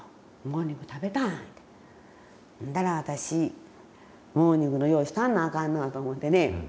ほんだら私モーニングの用意したらなあかんなと思うてね。